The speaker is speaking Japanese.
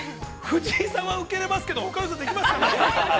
◆藤井さんは受けれますけど、できますかね。